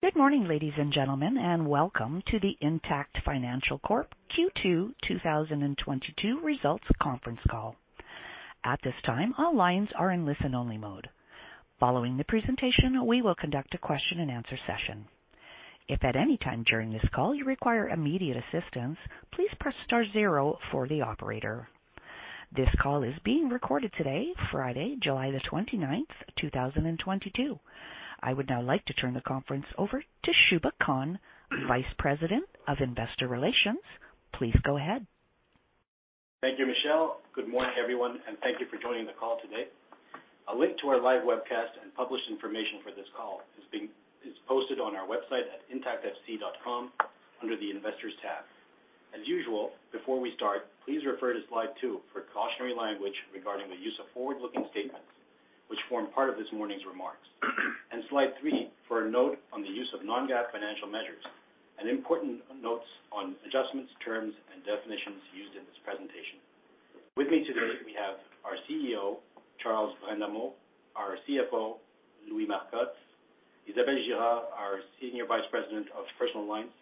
Good morning, ladies and gentlemen, and welcome to the Intact Financial Corporation Q2 2022 Results Conference Call. At this time, all lines are in listen-only mode. Following the presentation, we will conduct a question-and-answer session. If at any time during this call you require immediate assistance, please press star zero for the operator. This call is being recorded today, Friday, July the twenty-ninth, two thousand and twenty-two. I would now like to turn the conference over to Shubha Khan, Vice President of Investor Relations. Please go ahead. Thank you, Michelle. Good morning, everyone, and thank you for joining the call today. A link to our live webcast and published information for this call is posted on our website at intactfc.com under the Investors tab. As usual, before we start, please refer to slide 2 for cautionary language regarding the use of forward-looking statements, which form part of this morning's remarks, and slide 3 for a note on the use of non-GAAP financial measures and important notes on adjustments, terms, and definitions used in this presentation. With me today, we have our CEO, Charles Brind'Amour, our CFO, Louis Marcotte, Isabelle Girard, our Senior Vice President of Personal Lines,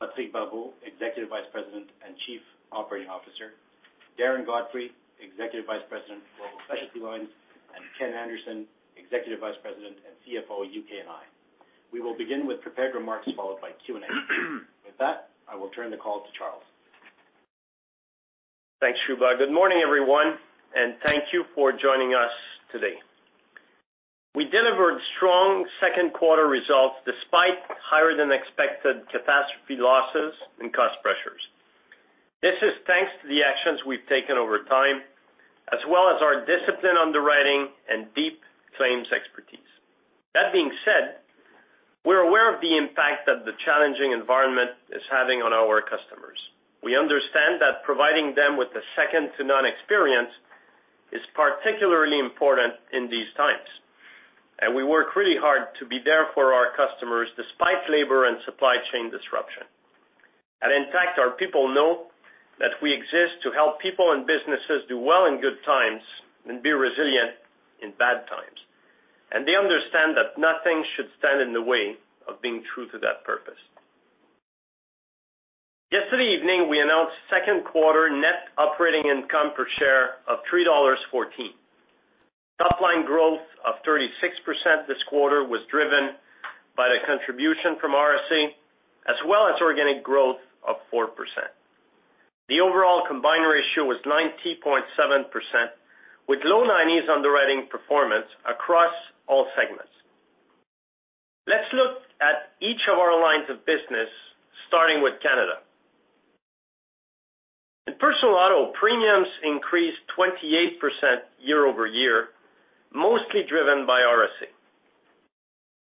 Patrick Barbeau, Executive Vice President and Chief Operating Officer, Darren Godfrey, Executive Vice President, Global Specialty Lines, and Ken Anderson, Executive Vice President and CFO, U.K. and I. We will begin with prepared remarks followed by Q&A. With that, I will turn the call to Charles. Thanks, Shubha. Good morning, everyone, and thank you for joining us today. We delivered strong second quarter results despite higher than expected catastrophe losses and cost pressures. This is thanks to the actions we've taken over time, as well as our disciplined underwriting and deep claims expertise. That being said, we're aware of the impact that the challenging environment is having on our customers. We understand that providing them with the second-to-none experience is particularly important in these times, and we work really hard to be there for our customers despite labor and supply chain disruption. At Intact, our people know that we exist to help people and businesses do well in good times and be resilient in bad times, and they understand that nothing should stand in the way of being true to that purpose. Yesterday evening, we announced second quarter net operating income per share of 3.14 dollars. Topline growth of 36% this quarter was driven by the contribution from RSA as well as organic growth of 4%. The overall combined ratio was 90.7% with low 90s underwriting performance across all segments. Let's look at each of our lines of business, starting with Canada. In personal auto, premiums increased 28% year-over-year, mostly driven by RSA.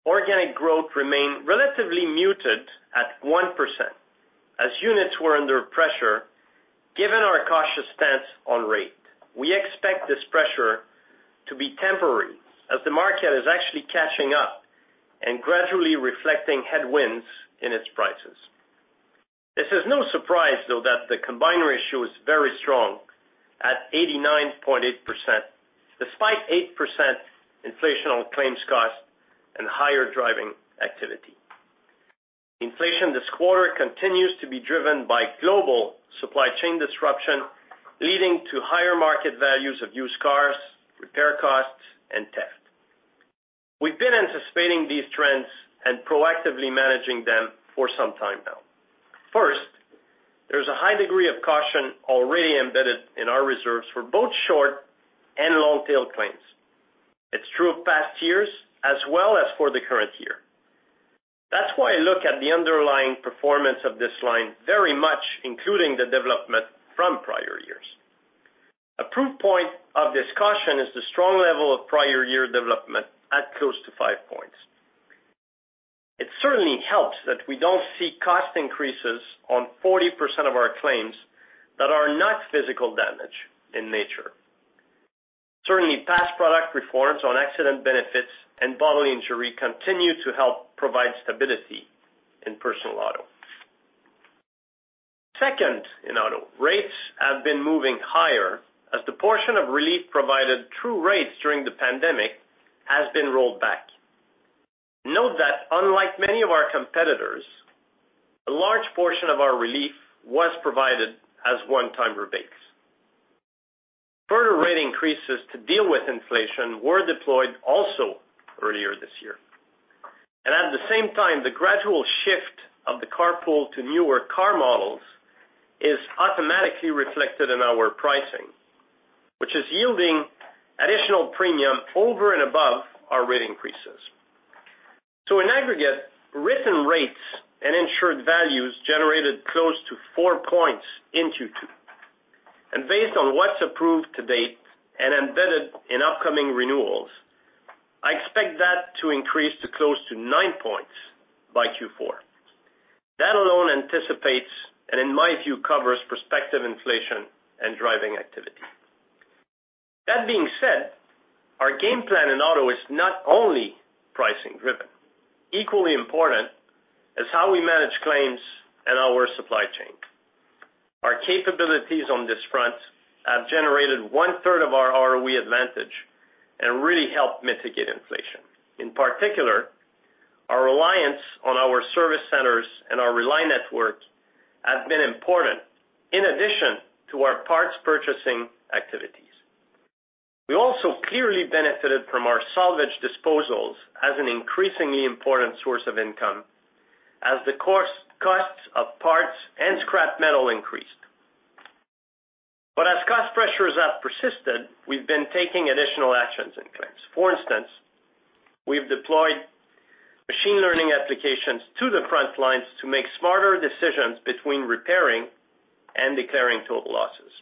Organic growth remained relatively muted at 1% as units were under pressure given our cautious stance on rate. We expect this pressure to be temporary as the market is actually catching up and gradually reflecting headwinds in its prices. This is no surprise, though, that the combined ratio is very strong at 89.8% despite 8% inflation on claims cost and higher driving activity. Inflation this quarter continues to be driven by global supply chain disruption, leading to higher market values of used cars, repair costs and tests. We've been anticipating these trends and proactively managing them for some time now. First, there's a high degree of caution already embedded in our reserves for both short and long-tail claims. It's true of past years as well as for the current year. That's why I look at the underlying performance of this line very much, including the development from prior years. A proof point of this caution is the strong level of prior year development at close to 5 points. It certainly helps that we don't see cost increases on 40% of our claims that are not physical damage in nature. Certainly, past product reforms on accident benefits and bodily injury continue to help provide stability in personal auto. Second, in auto, rates have been moving higher as the portion of relief provided through rates during the pandemic has been rolled back. Note that unlike many of our competitors, a large portion of our relief was provided as one-time rebates. Further rate increases to deal with inflation were deployed also earlier this year. At the same time, the gradual shift of the car pool to newer car models is automatically reflected in our pricing, which is yielding additional premium over and above our rate increases. In aggregate, written rates and insured values generated close to four points in Q2. Based on what's approved to date and embedded in upcoming renewals, I expect that to increase to close to nine points by Q4. That alone anticipates and, in my view, covers prospective inflation and driving activity. That being said, our game plan in auto is not only pricing-driven. Equally important is how we manage claims. Our capabilities on this front have generated one third of our ROE advantage and really helped mitigate inflation. In particular, our reliance on our service centers and our Rely Network have been important in addition to our parts purchasing activities. We also clearly benefited from our salvage disposals as an increasingly important source of income as the costs of parts and scrap metal increased. As cost pressures have persisted, we've been taking additional actions in claims. For instance, we've deployed machine learning applications to the front lines to make smarter decisions between repairing and declaring total losses.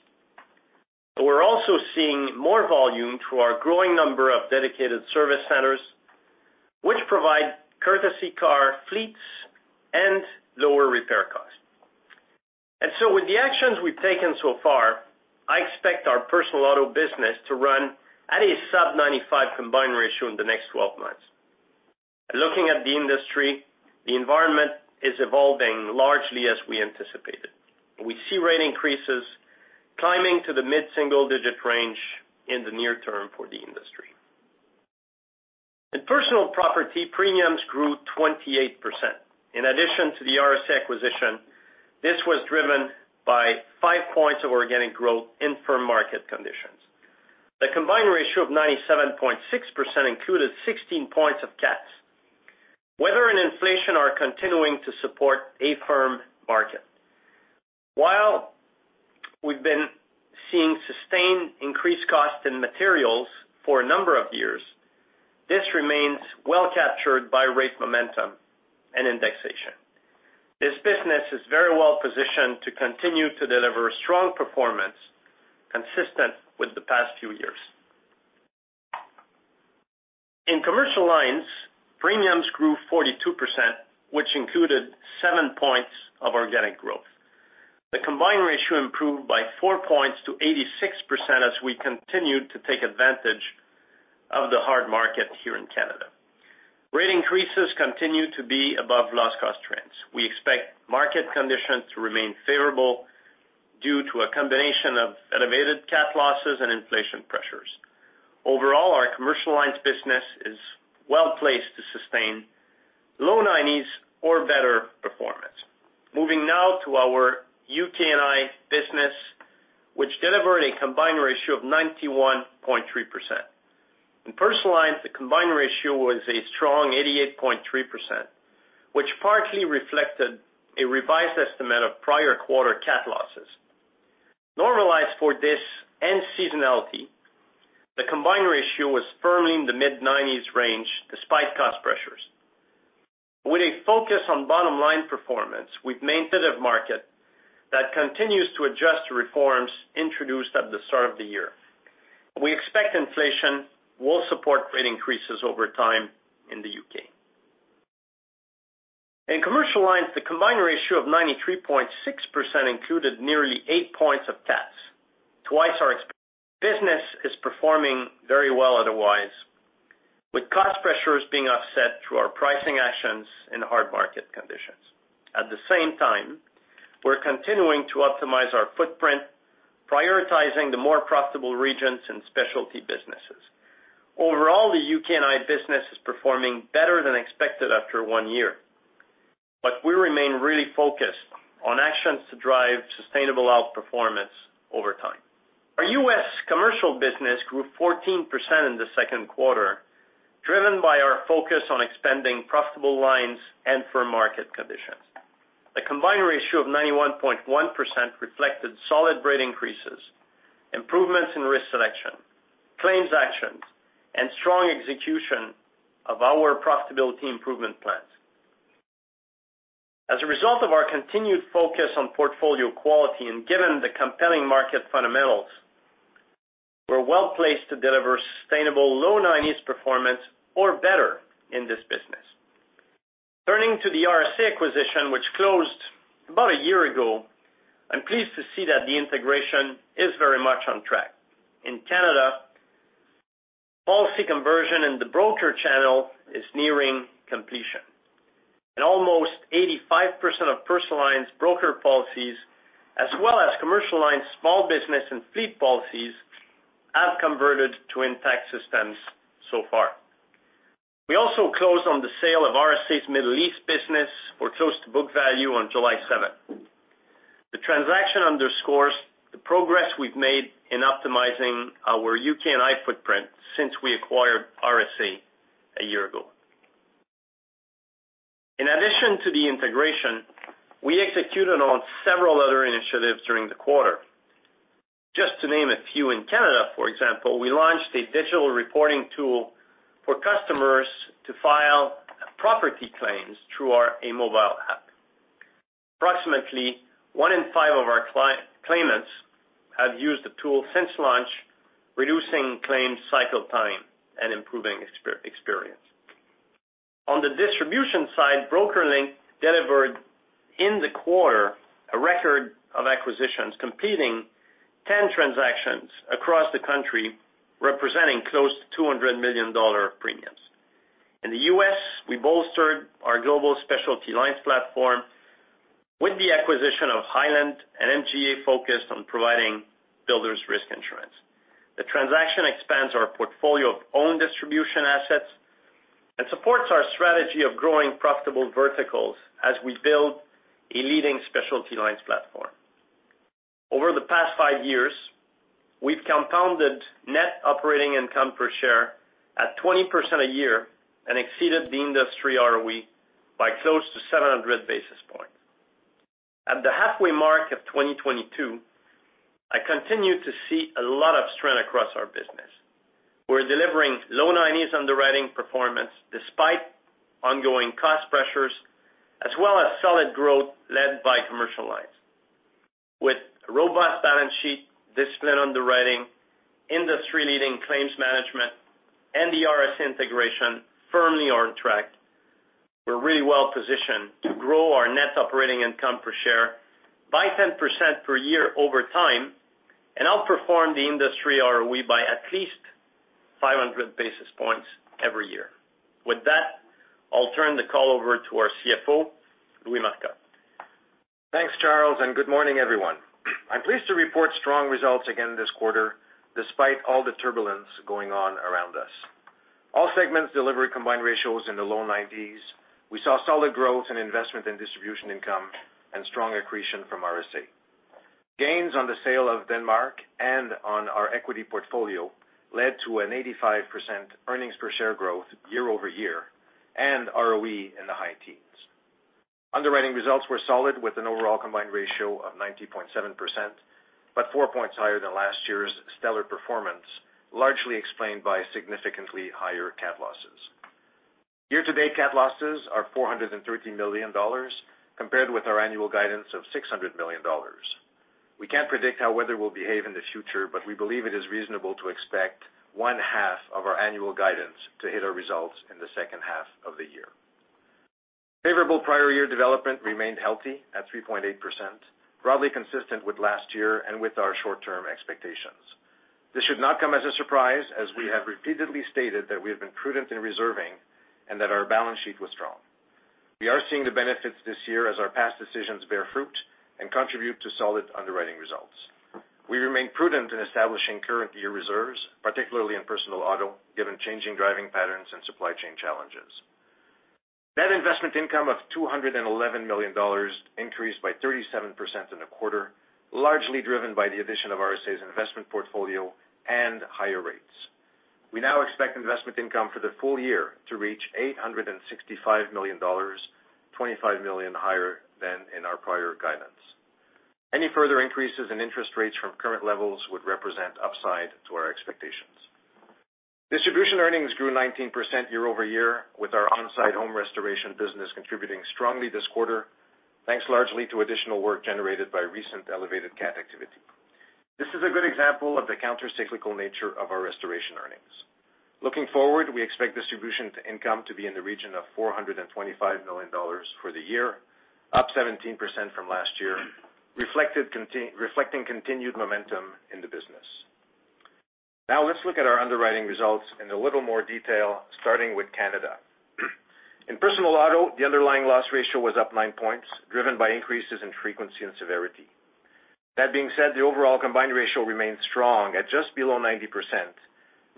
We're also seeing more volume through our growing number of dedicated service centers, which provide courtesy car fleets and lower repair costs. With the actions we've taken so far, I expect our personal auto business to run at a sub 95 combined ratio in the next 12 months. Looking at the industry, the environment is evolving largely as we anticipated. We see rate increases climbing to the mid-single digit range in the near term for the industry. In personal property, premiums grew 28%. In addition to the RSA acquisition, this was driven by 5 points of organic growth in firm market conditions. The combined ratio of 97.6% included 16 points of CATs. Weather and inflation are continuing to support a firm market. While we've been seeing sustained increases in cost in materials for a number of years, this remains well captured by rate momentum and indexation. This business is very well positioned to continue to deliver strong performance consistent with the past few years. In Commercial lines, premiums grew 42%, which included 7 points of organic growth. The combined ratio improved by 4 points to 86% as we continued to take advantage of the hard market here in Canada. Rate increases continue to be above loss cost trends. We expect market conditions to remain favorable due to a combination of elevated cat losses and inflation pressures. Overall, our Commercial lines business is well-placed to sustain low 90s or better performance. Moving now to our UK&I business, which delivered a combined ratio of 91.3%. In Personal lines, the combined ratio was a strong 88.3%, which partly reflected a revised estimate of prior quarter cat losses. Normalized for this end seasonality, the combined ratio was firmly in the mid-90s range despite cost pressures. With a focus on bottom line performance, we've maintained a market that continues to adjust to reforms introduced at the start of the year. We expect inflation will support rate increases over time in the U.K. In Commercial lines, the combined ratio of 93.6% included nearly eight points of CATs, twice our expected. Business is performing very well otherwise with cost pressures being offset through our pricing actions in hard market conditions. At the same time, we're continuing to optimize our footprint, prioritizing the more profitable regions and specialty businesses. Overall, the UK&I business is performing better than expected after one year. We remain really focused on actions to drive sustainable outperformance over time. Our U.S. Commercial business grew 14% in the second quarter, driven by our focus on expanding profitable lines and firm market conditions. The combined ratio of 91.1% reflected solid rate increases, improvements in risk selection, claims actions, and strong execution of our profitability improvement plans. As a result of our continued focus on portfolio quality and given the compelling market fundamentals, we're well-placed to deliver sustainable low 90s performance or better in this business. Turning to the RSA acquisition, which closed about a year ago, I'm pleased to see that the integration is very much on track. In Canada, policy conversion in the broker channel is nearing completion. Almost 85% of personal lines broker policies as well as commercial lines small business and fleet policies have converted to Intact systems so far. We also closed on the sale of RSA's Middle East business for close to book value on July 7. The transaction underscores the progress we've made in optimizing our UK&I footprint since we acquired RSA a year ago. In addition to the integration, we executed on several other initiatives during the quarter. Just to name a few, in Canada, for example, we launched a digital reporting tool for customers to file property claims through our mobile app. Approximately one in five of our client claimants have used the tool since launch, reducing claims cycle time and improving experience. On the distribution side, BrokerLink delivered in the quarter a record of acquisitions, completing 10 transactions across the country, representing close to 200 million dollar premiums. We bolstered our global specialty lines platform with the acquisition of Highland, an MGA focused on providing builders risk insurance. The transaction expands our portfolio of own distribution assets and supports our strategy of growing profitable verticals as we build a leading specialty lines platform. Over the past 5 years, we've compounded net operating income per share at 20% a year and exceeded the industry ROE by close to 700 basis points. At the halfway mark of 2022, I continue to see a lot of strength across our business. We're delivering low 90s underwriting performance despite ongoing cost pressures as well as solid growth led by Commercial lines. With a robust balance sheet, disciplined underwriting, industry-leading claims management, and the RSA integration firmly on track, we're really well positioned to grow our net operating income per share by 10% per year over time and outperform the industry ROE by at least 500 basis points every year. With that, I'll turn the call over to our CFO, Louis Marcotte. Thanks, Charles, and good morning, everyone. I'm pleased to report strong results again this quarter, despite all the turbulence going on around us. All segments delivered combined ratios in the low 90s. We saw solid growth in investment and distribution income and strong accretion from RSA. Gains on the sale of Denmark and on our equity portfolio led to an 85% earnings per share growth year-over-year and ROE in the high teens. Underwriting results were solid with an overall combined ratio of 90.7%, but 4 points higher than last year's stellar performance, largely explained by significantly higher cat losses. Year to date, cat losses are 413 million dollars compared with our annual guidance of 600 million dollars. We can't predict how weather will behave in the future, but we believe it is reasonable to expect one-half of our annual guidance to hit our results in the second half of the year. Favorable prior year development remained healthy at 3.8%, broadly consistent with last year and with our short-term expectations. This should not come as a surprise, as we have repeatedly stated that we have been prudent in reserving and that our balance sheet was strong. We are seeing the benefits this year as our past decisions bear fruit and contribute to solid underwriting results. We remain prudent in establishing current year reserves, particularly in personal auto, given changing driving patterns and supply chain challenges. Net investment income of 211 million dollars increased by 37% in a quarter, largely driven by the addition of RSA's investment portfolio and higher rates. We now expect investment income for the full year to reach 865 million dollars, 25 million higher than in our prior guidance. Any further increases in interest rates from current levels would represent upside to our expectations. Distribution earnings grew 19% year-over-year with our on-site home restoration business contributing strongly this quarter, thanks largely to additional work generated by recent elevated CAT activity. This is a good example of the countercyclical nature of our restoration earnings. Looking forward, we expect distribution income to be in the region of 425 million dollars for the year, up 17% from last year, reflecting continued momentum in the business. Now let's look at our underwriting results in a little more detail, starting with Canada. In personal auto, the underlying loss ratio was up 9 points, driven by increases in frequency and severity. That being said, the overall combined ratio remains strong at just below 90%,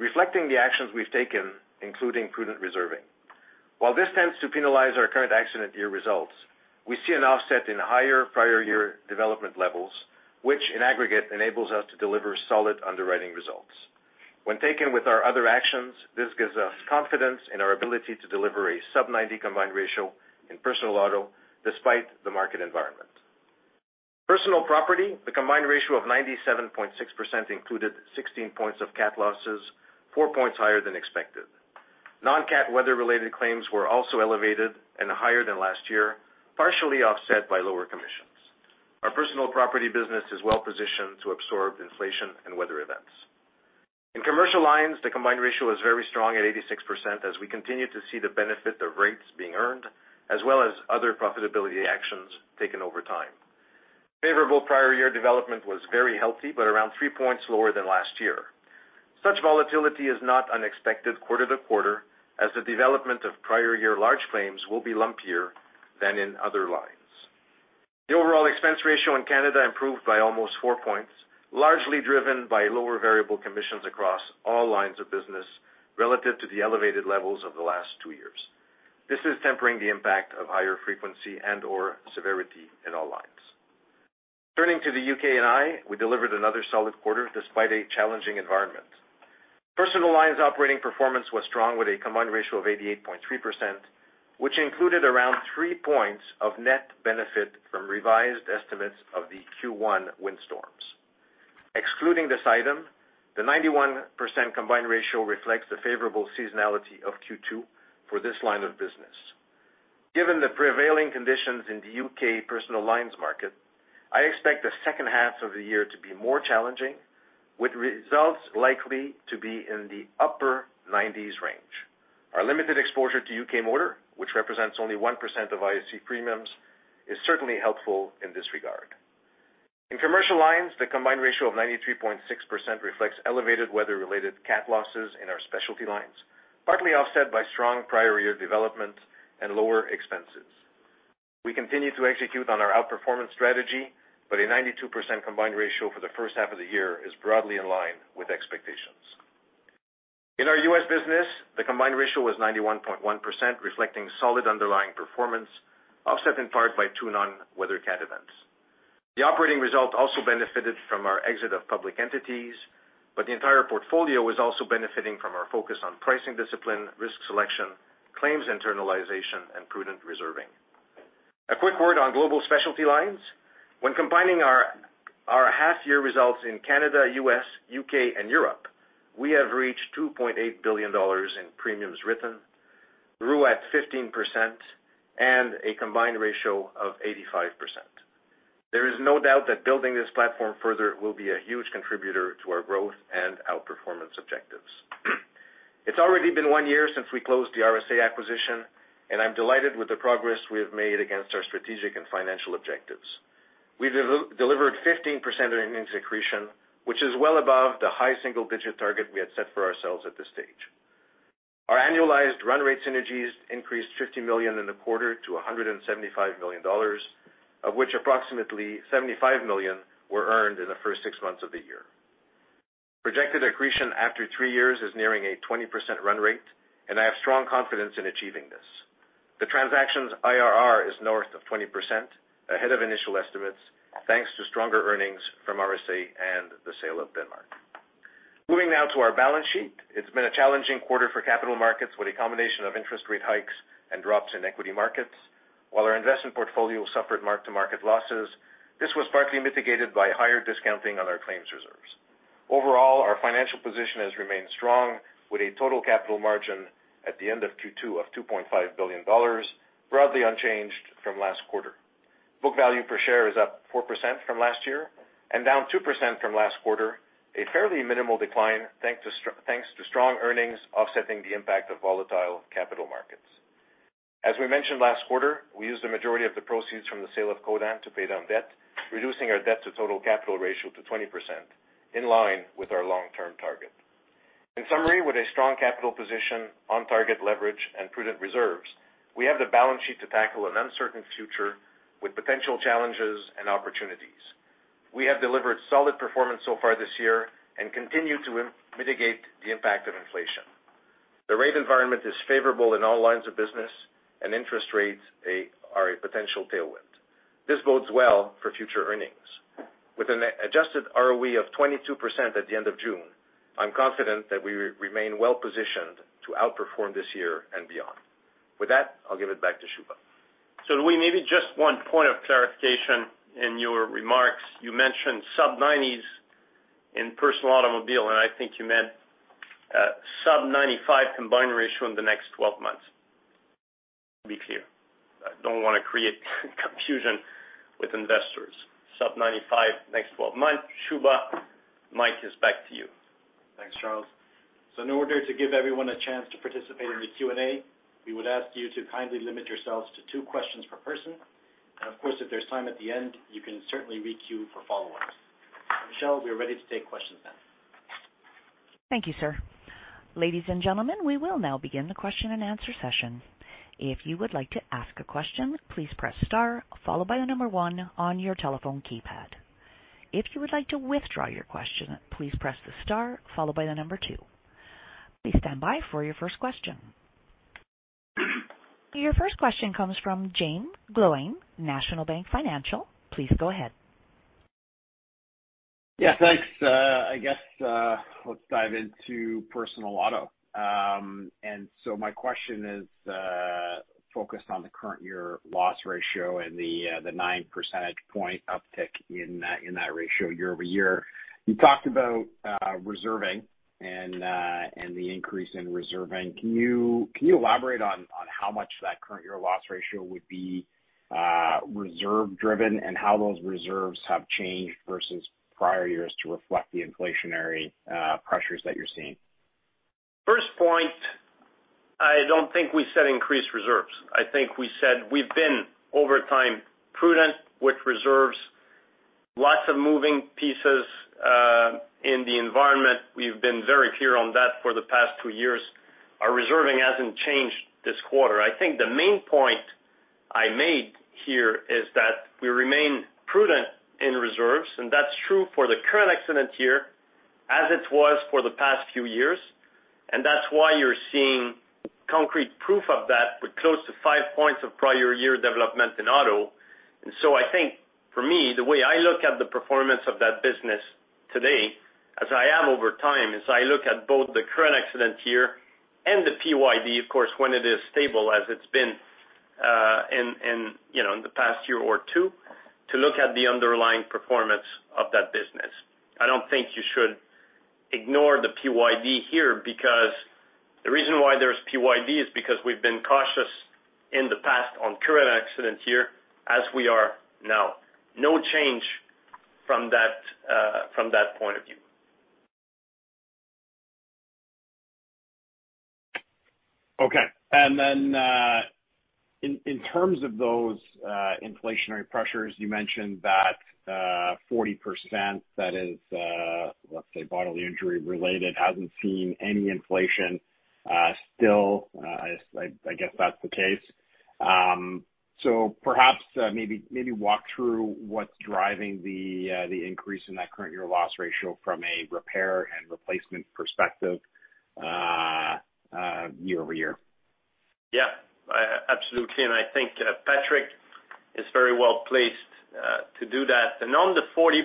reflecting the actions we've taken, including prudent reserving. While this tends to penalize our current accident year results, we see an offset in higher prior year development levels, which in aggregate enables us to deliver solid underwriting results. When taken with our other actions, this gives us confidence in our ability to deliver a sub-90 combined ratio in personal auto despite the market environment. Personal property, the combined ratio of 97.6% included 16 points of cat losses, 4 points higher than expected. Non-cat weather-related claims were also elevated and higher than last year, partially offset by lower commissions. Our personal property business is well-positioned to absorb inflation and weather events. In Commercial lines, the combined ratio is very strong at 86% as we continue to see the benefit of rates being earned, as well as other profitability actions taken over time. Favorable prior year development was very healthy, but around 3 points lower than last year. Such volatility is not unexpected quarter to quarter, as the development of prior year large claims will be lumpier than in other lines. The overall expense ratio in Canada improved by almost 4 points, largely driven by lower variable commissions across all lines of business relative to the elevated levels of the last 2 years. This is tempering the impact of higher frequency and/or severity in all lines. Turning to the UK&I, we delivered another solid quarter despite a challenging environment. Personal lines operating performance was strong with a combined ratio of 88.3%, which included around 3 points of net benefit from revised estimates of the Q1 windstorms. Excluding this item, the 91% combined ratio reflects the favorable seasonality of Q2 for this line of business. Given the prevailing conditions in the UK personal lines market, I expect the second half of the year to be more challenging, with results likely to be in the upper 90s range. Our limited exposure to U.K. motor, which represents only 1% of IFC premiums, is certainly helpful in this regard. In commercial lines, the combined ratio of 93.6% reflects elevated weather related cat losses in our specialty lines, partly offset by strong prior year development and lower expenses. We continue to execute on our outperformance strategy, but a 92% combined ratio for the first half of the year is broadly in line with expectations. In our U.S. business, the combined ratio was 91.1%, reflecting solid underlying performance, offset in part by 2 non-weather CAT events. The operating result also benefited from our exit of public entities, but the entire portfolio is also benefiting from our focus on pricing discipline, risk selection, claims internalization, and prudent reserving. A quick word on global specialty lines. When combining our half year results in Canada, US, UK and Europe, we have reached 2.8 billion dollars in premiums written, grew at 15% and a combined ratio of 85%. There is no doubt that building this platform further will be a huge contributor to our growth and outperformance objectives. It's already been 1 year since we closed the RSA acquisition, and I'm delighted with the progress we have made against our strategic and financial objectives. We've delivered 15% earnings accretion, which is well above the high single digit target we had set for ourselves at this stage. Our annualized run rate synergies increased 50 million in the quarter to 175 million dollars, of which approximately 75 million were earned in the first 6 months of the year. Projected accretion after 3 years is nearing a 20% run rate, and I have strong confidence in achieving this. The transaction's IRR is north of 20%, ahead of initial estimates, thanks to stronger earnings from RSA and the sale of Denmark. Moving now to our balance sheet. It's been a challenging quarter for capital markets with a combination of interest rate hikes and drops in equity markets. While our investment portfolio suffered mark-to-market losses, this was partly mitigated by higher discounting on our claims reserves. Overall, our financial position has remained strong with a total capital margin at the end of Q2 of 2.5 billion dollars, broadly unchanged from last quarter. Book value per share is up 4% from last year and down 2% from last quarter, a fairly minimal decline thanks to strong earnings offsetting the impact of volatile capital markets. As we mentioned last quarter, we used the majority of the proceeds from the sale of Codan to pay down debt, reducing our debt to total capital ratio to 20% in line with our long term target. In summary, with a strong capital position on target leverage and prudent reserves, we have the balance sheet to tackle an uncertain future with potential challenges and opportunities. We have delivered solid performance so far this year and continue to mitigate the impact of inflation. The rate environment is favorable in all lines of business and interest rates are a potential tailwind. This bodes well for future earnings. With an adjusted ROE of 22% at the end of June, I'm confident that we remain well positioned to outperform this year and beyond. With that, I'll give it back to Shubha. Louis, maybe just one point of clarification in your remarks. You mentioned sub-90s in personal automobile, and I think you meant sub-95 combined ratio in the next twelve months. Be clear. I don't want to create confusion with investors. Sub-95 next twelve months. Shubha, Mike is back to you. Thanks, Charles. In order to give everyone a chance to participate in the Q&A, we would ask you to kindly limit yourselves to two questions per person. Of course, if there's time at the end, you can certainly requeue for follow-ups. Michelle, we are ready to take questions now. Thank you, sir. Ladies and gentlemen, we will now begin the question and answer session. If you would like to ask a question, please press star followed by the number 1 on your telephone keypad. If you would like to withdraw your question, please press the star followed by the number 2. Please stand by for your first question. Your first question comes from Jaeme Gloyn, National Bank Financial. Please go ahead. Yeah, thanks. I guess, let's dive into personal auto. My question is focused on the current year loss ratio and the 9 percentage point uptick in that ratio year over year. You talked about reserving and the increase in reserving. Can you elaborate on how much that current year loss ratio would be reserve driven and how those reserves have changed versus prior years to reflect the inflationary pressures that you're seeing? First point, I don't think we said increase reserves. I think we said we've been over time prudent with reserves, lots of moving pieces, in the environment. We've been very clear on that for the past two years. Our reserving hasn't changed this quarter. I think the main point I made here is that we remain prudent in reserves, and that's true for the current accident year as it was for the past few years. That's why you're seeing concrete proof of that with close to five points of prior year development in auto. I think for me, the way I look at the performance of that business today, as I am over time, is I look at both the current accident year and the PYD, of course, when it is stable as it's been, in you know, the past year or two, to look at the underlying performance of that business. I don't think you should ignore the PYD here, because the reason why there's PYD is because we've been cautious in the past on current accident year, as we are now. No change from that, from that point of view. Okay. In terms of those inflationary pressures, you mentioned that 40% that is, let's say bodily injury related hasn't seen any inflation, still. I guess that's the case. Perhaps maybe walk through what's driving the increase in that current year loss ratio from a repair and replacement perspective, year-over-year. Yeah, absolutely, and I think Patrick is very well-placed to do that. On the 40%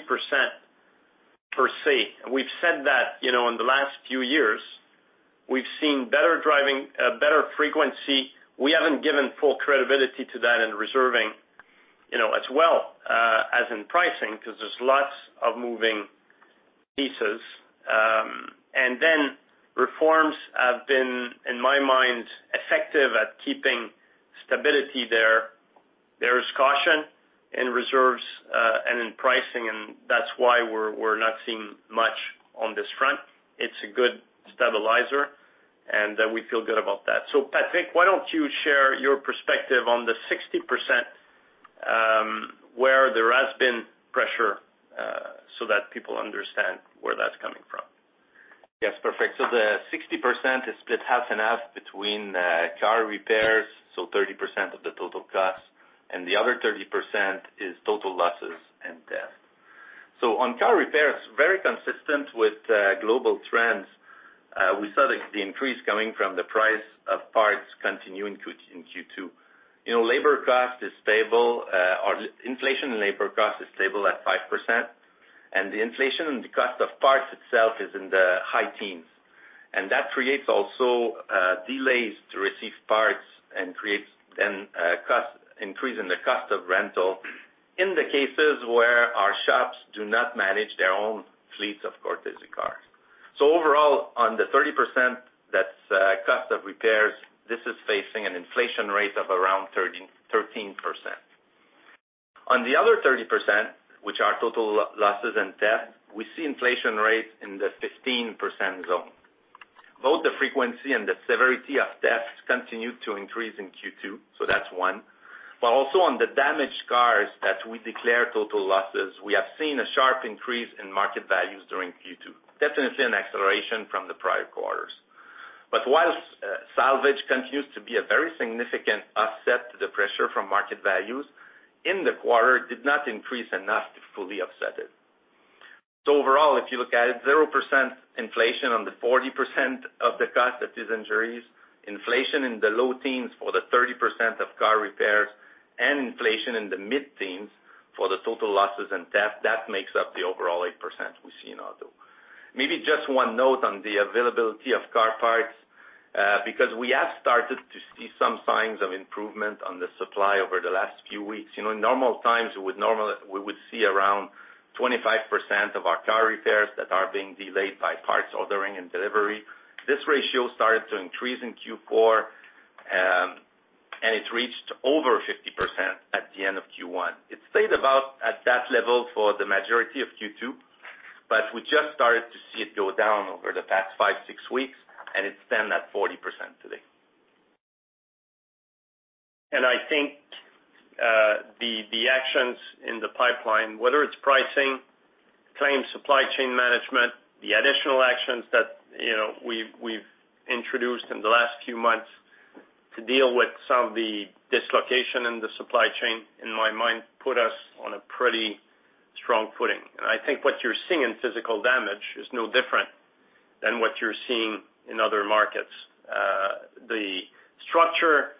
per se, we've said that, you know, in the last few years, we've seen better driving, better frequency. We haven't given full credibility to that in reserving, you know, as well, as in pricing because there's lots of moving pieces. Then reforms have been, in my mind, effective at keeping stability there. There is caution in reserves, and in pricing, and that's why we're not seeing much on this front. It's a good stabilizer, and we feel good about that. Patrick, why don't you share your perspective on the 60%, where there has been pressure, so that people understand where that's coming from. Yes, perfect. The 60% is split half and half between car repairs, so 30% of the total cost, and the other 30% is total losses and theft. On car repairs, very consistent with global trends, we saw the increase coming from the price of parts continuing to in Q2. You know, labor cost is stable, or inflation in labor cost is stable at 5%, and the inflation in the cost of parts itself is in the high teens. And that creates also delays to receive parts and creates then cost increase in the cost of rental in the cases where our shops do not manage their own fleets of courtesy cars. Overall, on the 30%, that's cost of repairs, this is facing an inflation rate of around thirteen percent. On the other 30%, which are total losses and theft, we see inflation rates in the 15% zone. Both the frequency and the severity of theft continued to increase in Q2, so that's one. Also on the damaged cars that we declare total losses, we have seen a sharp increase in market values during Q2. Definitely an acceleration from the prior quarters. While salvage continues to be a very significant offset to the pressure from market values, in the quarter, it did not increase enough to fully offset it. Overall, if you look at it, 0% inflation on the 40% of the cost that is injuries, inflation in the low teens for the 30% of car repairs, and inflation in the mid-teens for the total losses and theft, that makes up the overall 8% we see in auto. Maybe just one note on the availability of car parts, because we have started to see some signs of improvement on the supply over the last few weeks. You know, in normal times, we would see around 25% of our car repairs that are being delayed by parts ordering and delivery. This ratio started to increase in Q4, and it reached over 50% at the end of Q1. It stayed about at that level for the majority of Q2, but we just started to see it go down over the past five, six weeks, and it stands at 40% today. I think the actions in the pipeline, whether it's pricing, claims supply chain management, the additional actions that, you know, we've introduced in the last few months to deal with some of the dislocation in the supply chain, in my mind, put us on a pretty strong footing. I think what you're seeing in physical damage is no different than what you're seeing in other markets. The structure,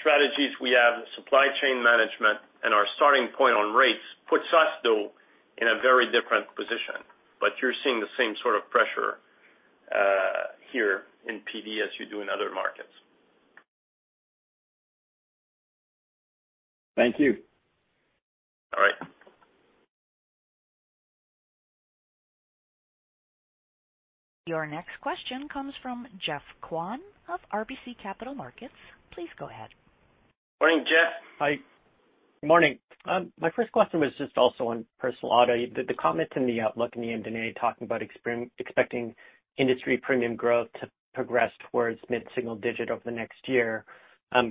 strategies we have, supply chain management, and our starting point on rates puts us, though, in a very different position. You're seeing the same sort of pressure here in PD as you do in other markets. Thank you. All right. Your next question comes from Geoff Kwan of RBC Capital Markets. Please go ahead. Morning, Geoff. Hi. Good morning. My first question was just also on personal auto. The comments in the outlook in the MD&A talking about expecting industry premium growth to progress towards mid-single digit over the next year,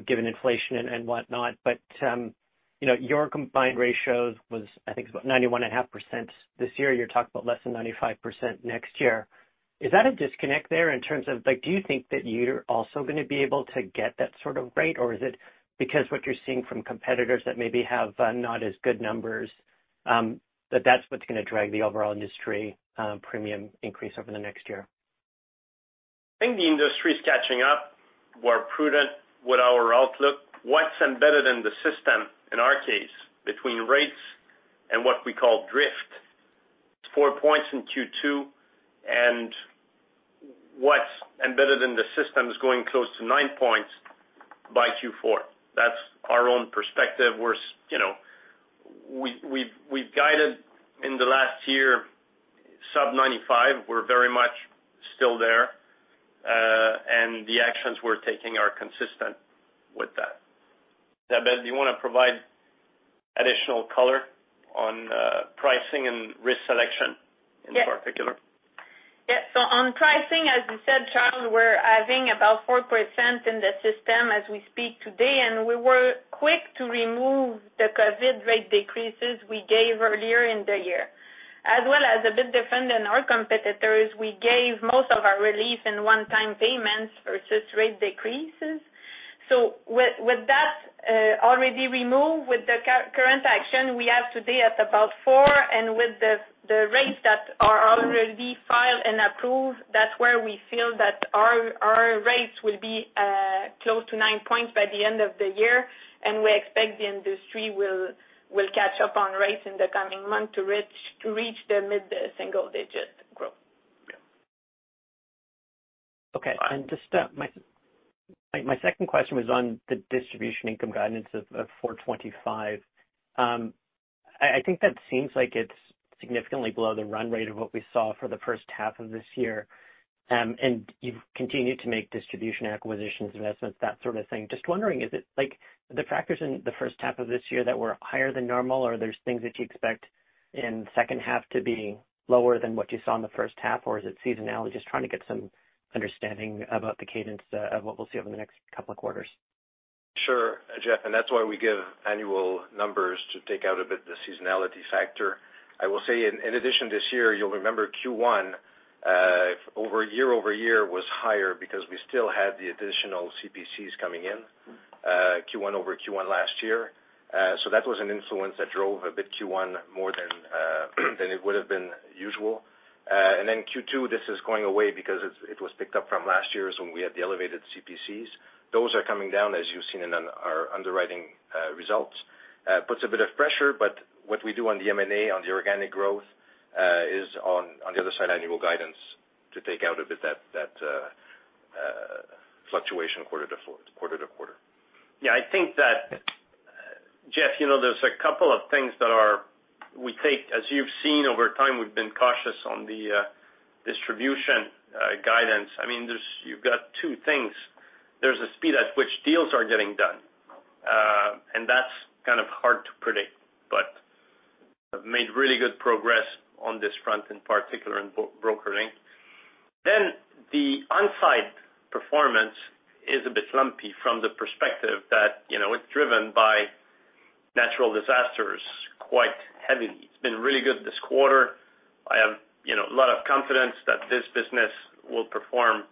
given inflation and whatnot. You know, your combined ratio was, I think, about 91.5% this year. You're talking about less than 95% next year. Is that a disconnect there in terms of, like, do you think that you're also gonna be able to get that sort of rate? Or is it because what you're seeing from competitors that maybe have not as good numbers, that's what's gonna drive the overall industry premium increase over the next year? I think the industry is catching up. We're prudent with our outlook. What's embedded in the system, in our case, between rates and what we call drift, it's 4% in Q2, and what's embedded in the system is going close to 9% by Q4. That's our own perspective. We're, you know, we've guided in the last year sub-95. We're very much still there, and the actions we're taking are. Provide additional color on pricing and risk selection. Yeah. In particular. Yeah. On pricing, as you said, Charles, we're adding about 4% in the system as we speak today, and we were quick to remove the COVID rate decreases we gave earlier in the year. As well as a bit different than our competitors, we gave most of our relief in one-time payments versus rate decreases. With that already removed, with the current action we have today at about 4% and with the rates that are already filed and approved, that's where we feel that our rates will be close to 9 points by the end of the year, and we expect the industry will catch up on rates in the coming months to reach the mid-single digit % growth. Okay. Just my second question was on the distribution income guidance of 425. I think that seems like it's significantly below the run rate of what we saw for the first half of this year. You've continued to make distribution acquisitions, investments, that sort of thing. Just wondering, is it like the factors in the first half of this year that were higher than normal, or there's things that you expect in the second half to be lower than what you saw in the first half, or is it seasonality? Just trying to get some understanding about the cadence of what we'll see over the next couple of quarters. Sure, Geoff, that's why we give annual numbers to take out a bit the seasonality factor. I will say in addition this year, you'll remember Q1 year-over-year was higher because we still had the additional CATs coming in Q1 over Q1 last year. That was an influence that drove a bit Q1 more than it would have been usual. Then Q2, this is going away because it was picked up from last year when we had the elevated CATs. Those are coming down, as you've seen in our underwriting results. Puts a bit of pressure, but what we do on the M&A, on the organic growth, is on the other side, annual guidance to take out a bit that fluctuation quarter-to-quarter. Yeah, I think that, Geoff, you know, there's a couple of things we take, as you've seen over time, we've been cautious on the distribution guidance. I mean, you've got two things. There's a speed at which deals are getting done, and that's kind of hard to predict. But we've made really good progress on this front, in particular in brokering. Then the on-site performance is a bit lumpy from the perspective that, you know, it's driven by natural disasters quite heavily. It's been really good this quarter. I have, you know, a lot of confidence that this business will perform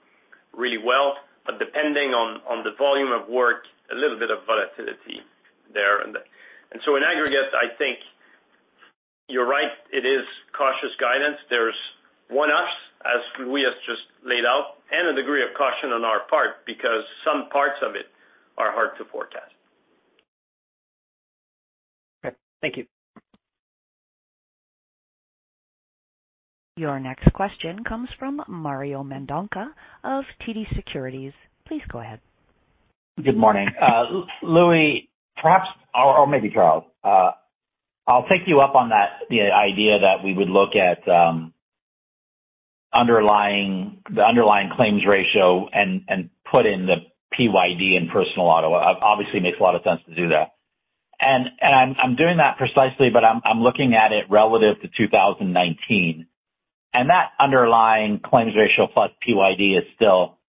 really well. But depending on the volume of work, a little bit of volatility there. So in aggregate, I think you're right, it is cautious guidance. There's one-offs, as Louis has just laid out, and a degree of caution on our part because some parts of it are hard to forecast. Okay. Thank you. Your next question comes from Mario Mendonca of TD Securities. Please go ahead. Good morning. Louis, perhaps, or maybe Charles, I'll take you up on that, the idea that we would look at the underlying claims ratio and put in the PYD and personal auto. Obviously makes a lot of sense to do that. I'm doing that precisely, but I'm looking at it relative to 2019. That underlying claims ratio plus PYD is still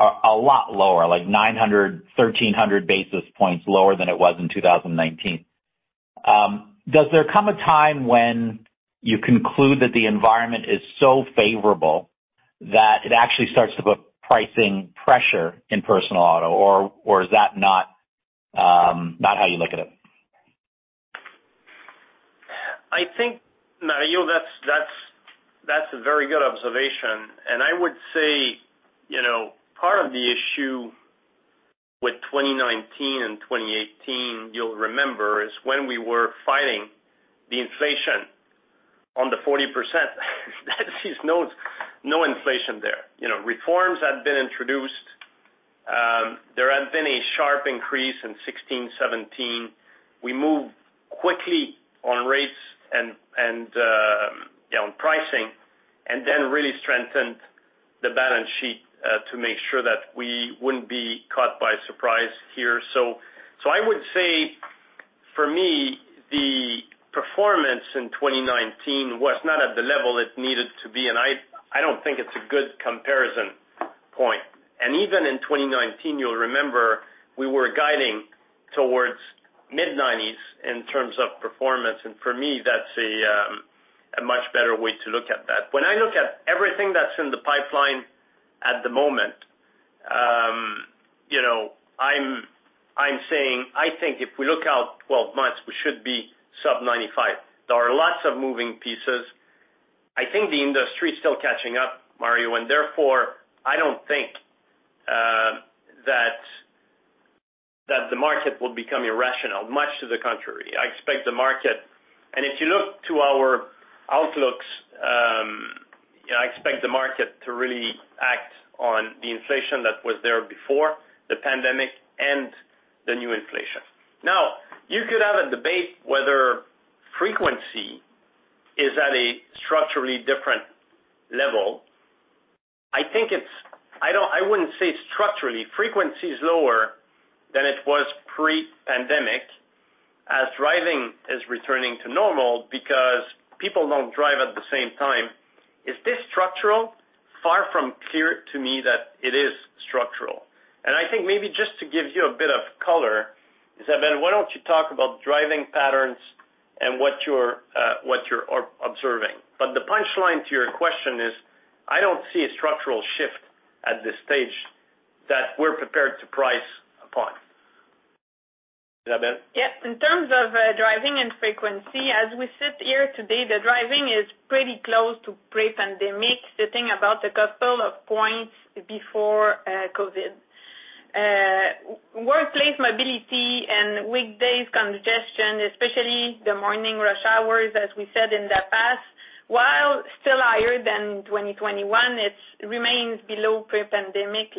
a lot lower, like 900-1300 basis points lower than it was in 2019. Does there come a time when you conclude that the environment is so favorable that it actually starts to put pricing pressure in personal auto, or is that not how you look at it? I think, Mario, that's a very good observation. I would say, you know, part of the issue with 2019 and 2018, you'll remember, is when we were fighting the inflation on the 40%. There's just no inflation there. You know, reforms had been introduced. There had been a sharp increase in 2016, 2017. We moved quickly on rates and down pricing, and then really strengthened the balance sheet to make sure that we wouldn't be caught by surprise here. I would say for me, the performance in 2019 was not at the level it needed to be, and I don't think it's a good comparison point. Even in 2019, you'll remember we were guiding towards mid-90s in terms of performance. For me, that's a much better way to look at that. When I look at everything that's in the pipeline at the moment, you know, I'm saying I think if we look out 12 months, we should be sub-95. There are lots of moving pieces. I think the industry is still catching up, Mario, and therefore, I don't think that the market will become irrational, much to the contrary. I expect the market. If you look to our outlooks, I expect the market to really act on the inflation that was there before the pandemic and the new inflation. Now, you could have a debate whether frequency really different level. I think it's. I don't. I wouldn't say structurally, frequency is lower than it was pre-pandemic as driving is returning to normal because people don't drive at the same time. Is this structural? Far from clear to me that it is structural. I think maybe just to give you a bit of color, Isabelle, why don't you talk about driving patterns and what you're observing. The punchline to your question is, I don't see a structural shift at this stage that we're prepared to price upon. Isabelle? Yeah. In terms of driving and frequency, as we sit here today, the driving is pretty close to pre-pandemic, sitting about a couple of points before COVID. Workplace mobility and weekdays congestion, especially the morning rush hours, as we said in the past, while still higher than 2021, it remains below pre-pandemic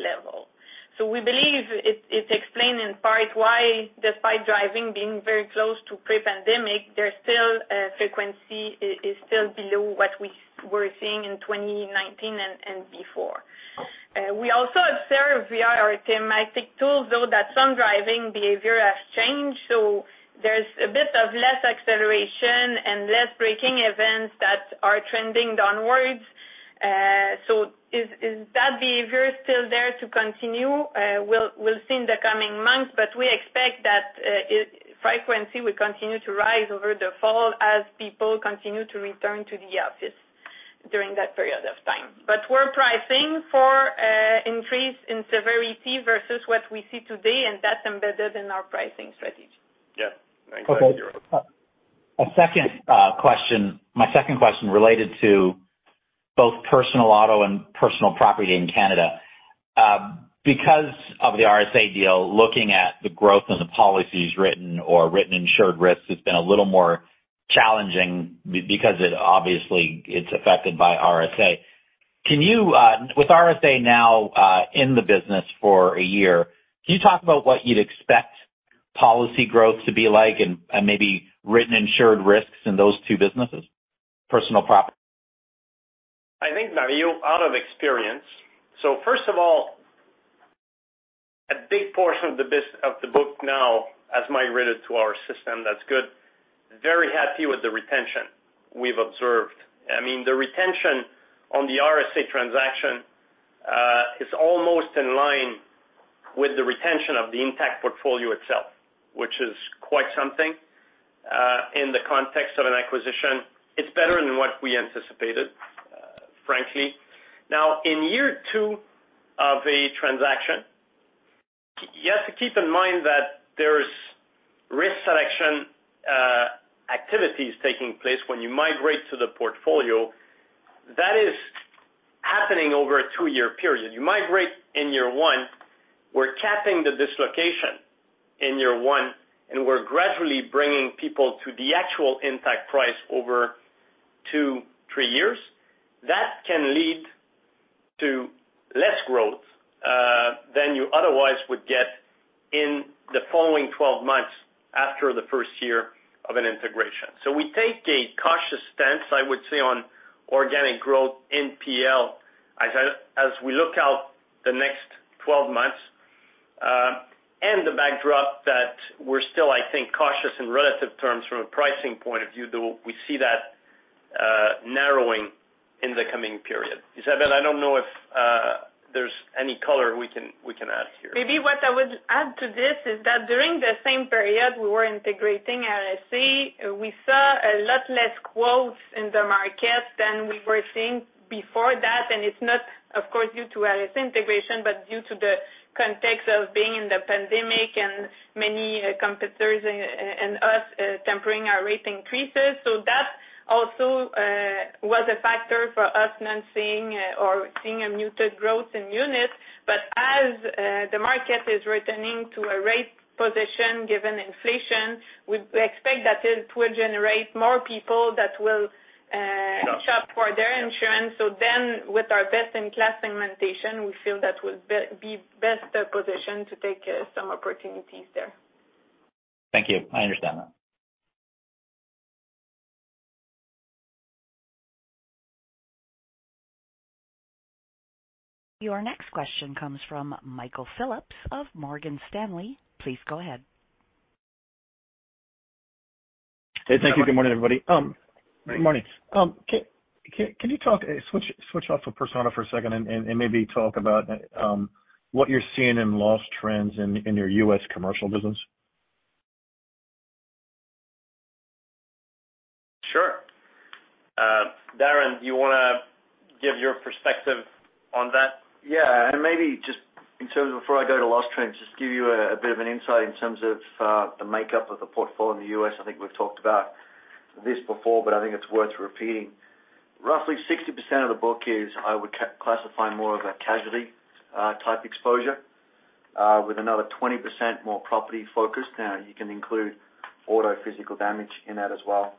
level. We believe it's explained in part why despite driving being very close to pre-pandemic, there's still frequency is still below what we were seeing in 2019 and before. We also observe via our telematics tools, though, that some driving behavior has changed, so there's a bit of less acceleration and less braking events that are trending downwards. Is that behavior still there to continue? We'll see in the coming months, but we expect that increased frequency will continue to rise over the fall as people continue to return to the office during that period of time. We're pricing for increase in severity versus what we see today, and that's embedded in our pricing strategy. Yeah. Thanks, Isabelle. Okay. A second question. My second question related to both personal auto and personal property in Canada. Because of the RSA deal, looking at the growth in the policies written or written insured risks has been a little more challenging because it obviously it's affected by RSA. Can you, with RSA now in the business for a year, can you talk about what you'd expect policy growth to be like and maybe written insured risks in those two businesses, personal property? I think, Mario, out of experience. First of all, a big portion of the book now has migrated to our system. That's good. Very happy with the retention we've observed. I mean, the retention on the RSA transaction is almost in line with the retention of the Intact portfolio itself, which is quite something in the context of an acquisition. It's better than what we anticipated, frankly. Now, in year two of a transaction, you have to keep in mind that there's risk selection activities taking place when you migrate to the portfolio. That is happening over a two-year period. You migrate in year one. We're capping the dislocation in year one, and we're gradually bringing people to the actual Intact price over two, three years. That can lead to less growth than you otherwise would get in the following 12 months after the first year of an integration. We take a cautious stance, I would say, on organic growth in PL as we look out the next 12 months, and the backdrop that we're still, I think, cautious in relative terms from a pricing point of view, though we see that narrowing in the coming period. Isabelle, I don't know if there's any color we can add here. Maybe what I would add to this is that during the same period we were integrating RSA, we saw a lot less quotes in the market than we were seeing before that. It's not, of course, due to RSA integration, but due to the context of being in the pandemic and many competitors and us tempering our rate increases. That also was a factor for us not seeing or seeing a muted growth in units. As the market is returning to a rate position given inflation, we expect that it will generate more people that will shop for their insurance. With our best-in-class implementation, we feel that we'll be best positioned to take some opportunities there. Thank you. I understand that. Your next question comes from Michael Phillips of Morgan Stanley. Please go ahead. Hey, thank you. Good morning, everybody. Good morning. Can you talk, switch off of personal for a second and maybe talk about what you're seeing in loss trends in your U.S. commercial business? Sure. Darren, do you wanna give your perspective on that? Yeah. Maybe just in terms of before I go to loss trends, just give you a bit of an insight in terms of the makeup of the portfolio in the U.S. I think we've talked about this before, but I think it's worth repeating. Roughly 60% of the book is I would classify more of a casualty type exposure with another 20% more property focused. Now, you can include auto physical damage in that as well.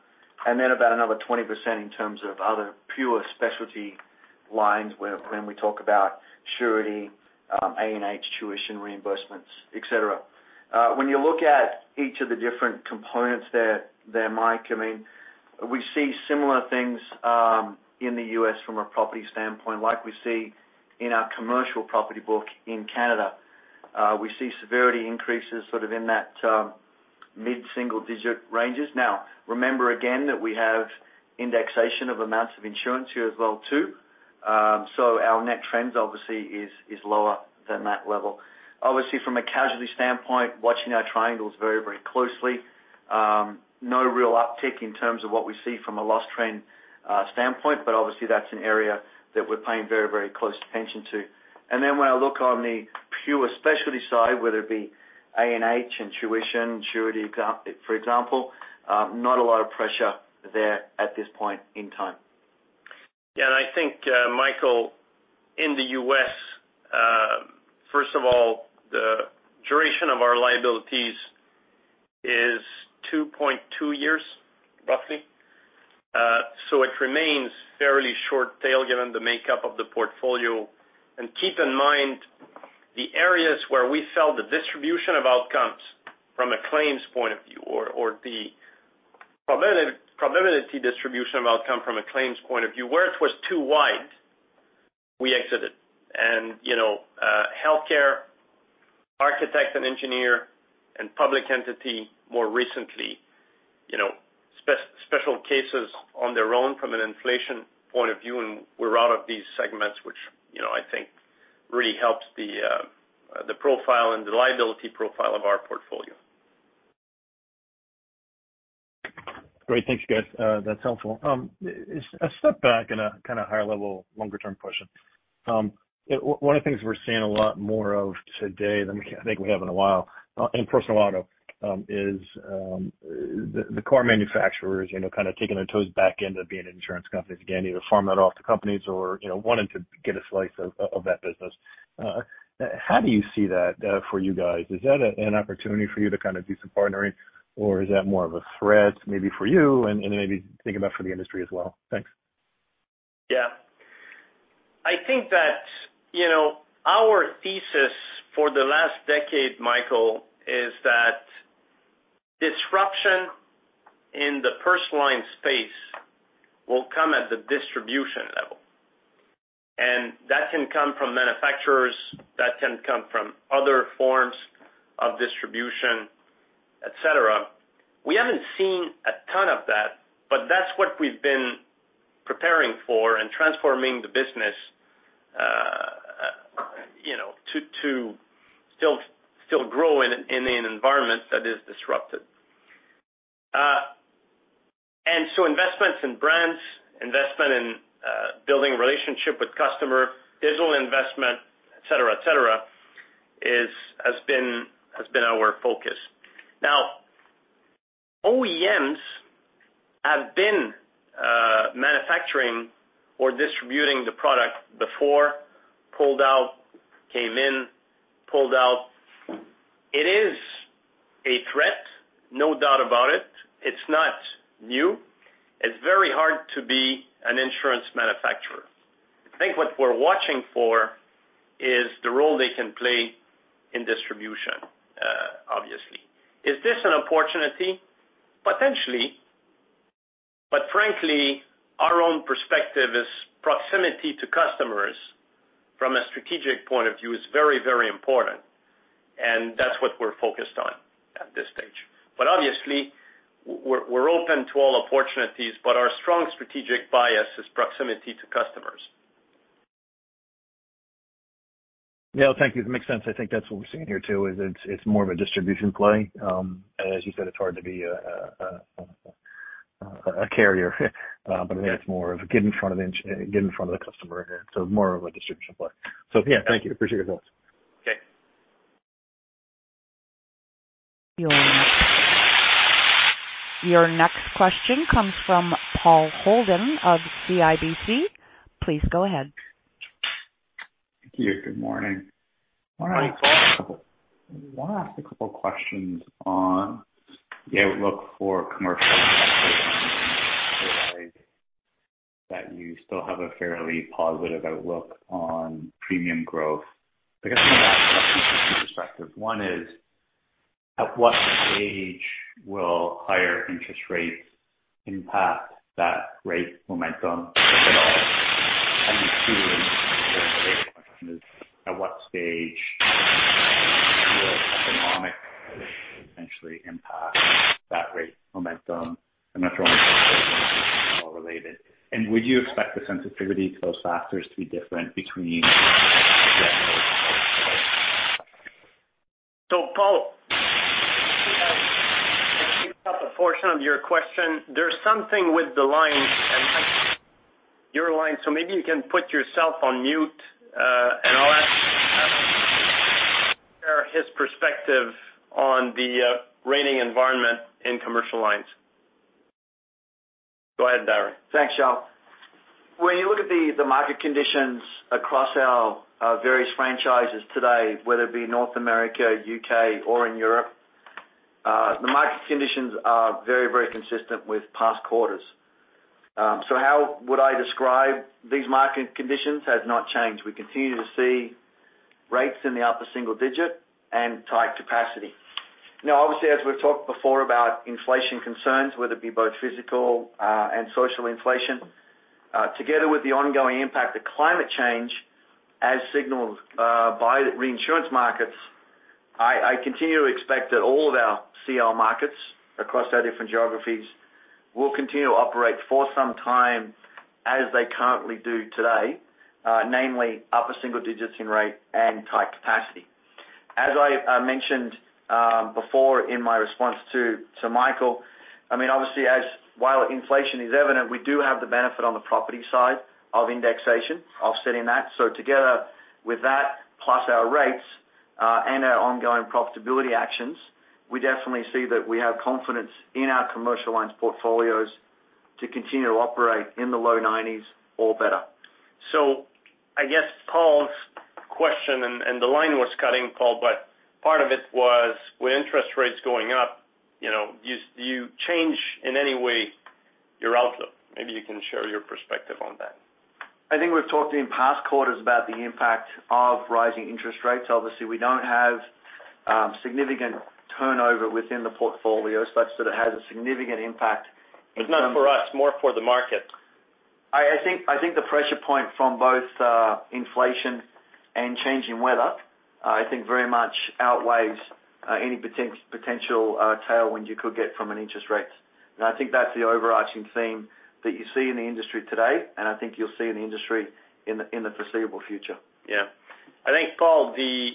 About another 20% in terms of other pure specialty lines when we talk about surety, A&H tuition reimbursements, etc. When you look at each of the different components there, Mike, I mean, we see similar things in the U.S. from a property standpoint, like we see in our commercial property book in Canada. We see severity increases sort of in that mid-single digit ranges. Remember again that we have indexation of amounts of insurance here as well too. So our net trends obviously is lower than that level. Obviously, from a casualty standpoint, watching our triangles very, very closely. No real uptick in terms of what we see from a loss trend standpoint, but obviously that's an area that we're paying very, very close attention to. When I look on the pure specialty side, whether it be A&H, tuition, surety for example, not a lot of pressure there at this point in time. Yeah, I think, Michael, in the US, first of all, the duration of our liabilities is 2.2 years, roughly. It remains fairly short tail given the makeup of the portfolio. Keep in mind, the areas where we felt the distribution of outcomes from a claims point of view or the probability distribution of outcome from a claims point of view, where it was too wide, we exited. You know, healthcare, architect and engineer, and public entity more recently, you know, special cases on their own from an inflation point of view, and we're out of these segments, which, you know, I think really helps the profile and the liability profile of our portfolio. Great. Thank you, guys. That's helpful. A step back and a kinda higher level longer-term question. One of the things we're seeing a lot more of today than I think we have in a while in personal auto is the car manufacturers, you know, kind of kicking their toes back into being insurance companies again, either farm that off to companies or, you know, wanting to get a slice of that business. How do you see that for you guys? Is that an opportunity for you to kind of do some partnering? Or is that more of a threat maybe for you and maybe think about for the industry as well? Thanks. Yeah. I think that, you know, our thesis for the last decade, Michael, is that disruption in the personal lines space will come at the distribution level. That can come from manufacturers, that can come from other forms of distribution, et cetera. We haven't seen a ton of that, but that's what we've been preparing for and transforming the business, you know, to still grow in an environment that is disrupted. Investments in brands, investment in building relationship with customer, digital investment, et cetera, et cetera, has been our focus. Now, OEMs have been manufacturing or distributing the product before, pulled out, came in, pulled out. It is a threat, no doubt about it. It's not new. It's very hard to be an insurance manufacturer. I think what we're watching for is the role they can play in distribution, obviously. Is this an opportunity? Potentially. Frankly, our own perspective is proximity to customers from a strategic point of view is very, very important, and that's what we're focused on at this stage. Obviously, we're open to all opportunities, but our strong strategic bias is proximity to customers. Yeah. Thank you. That makes sense. I think that's what we're seeing here too, is it's more of a distribution play. As you said, it's hard to be a carrier, but I think it's more of a get in front of the customer and so more of a distribution play. Yeah, thank you. Appreciate your thoughts. Okay. Your next question comes from Paul Holden of CIBC. Please go ahead. Thank you. Good morning. Hi, Paul. I wanna ask a couple questions on the outlook for commercial lines. That you still have a fairly positive outlook on premium growth. I guess I'm gonna ask from two perspectives. One is, at what stage will higher interest rates impact that rate momentum, if at all? How do you see it? The second question is, at what stage will the economy potentially impact that rate momentum? I'm not sure how those two questions are at all related. Would you expect the sensitivity to those factors to be different between commercial and personal lines? Paul, I picked up a portion of your question. There's something with the line, and your line, so maybe you can put yourself on mute, and I'll ask Darren to share his perspective on the rating environment in commercial lines. Go ahead, Darren. Thanks, Charles. When you look at the market conditions across our various franchises today, whether it be North America, U.K. or in Europe, the market conditions are very consistent with past quarters. How would I describe these market conditions has not changed. We continue to see rates in the upper single digit and tight capacity. Now, obviously, as we've talked before about inflation concerns, whether it be both physical and social inflation, together with the ongoing impact of climate change as signaled by reinsurance markets, I continue to expect that all of our Commercial markets across our different geographies will continue to operate for some time as they currently do today, namely upper single digits in rate and tight capacity. As I mentioned before in my response to Michael, I mean, obviously while inflation is evident, we do have the benefit on the property side of indexation offsetting that. Together with that, plus our rates, and our ongoing profitability actions, we definitely see that we have confidence in our Commercial lines portfolios to continue to operate in the low 90s or better. I guess Paul's question, and the line was cutting Paul, but part of it was with interest rates going up, you know, do you change in any way your outlook? Maybe you can share your perspective on that. I think we've talked in past quarters about the impact of rising interest rates. Obviously, we don't have significant turnover within the portfolios such that it has a significant impact. It's not for us, more for the market. I think the pressure point from both inflation and changing weather very much outweighs any potential tailwind you could get from an interest rate. I think that's the overarching theme that you see in the industry today, and I think you'll see in the industry in the foreseeable future. Yeah. I think, Paul, the